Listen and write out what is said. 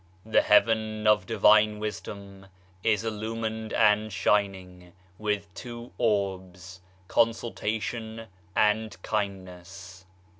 The Heaven of Divine Wisdom is illumined and shining with two orbs — Consultation and Kindness.